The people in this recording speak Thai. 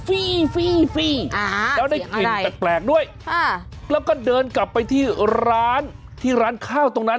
ฟีแล้วได้กลิ่นแปลกด้วยแล้วก็เดินกลับไปที่ร้านข้าวตรงนั้น